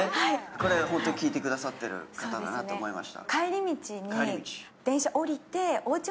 これ、ホント聴いてくださっている方だなと思いました。